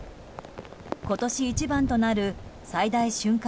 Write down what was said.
今年一番となる最大瞬間